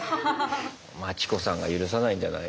マチコさんが許さないんじゃない？